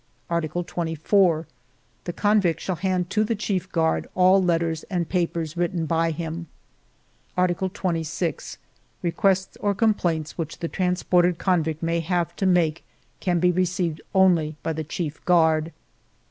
" Article 24. The convict shall hand to the chief guard all letters and papers written by him. " Article 26. Requests or complaints which the transported convict may have to make can be received only by the chief guard.